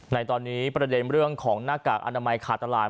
ในตอนนี้ประเด็นเรื่องของหน้ากากอนามัยขาดตลาด